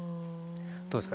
どうですか？